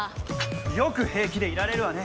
よく平気でいられるわね！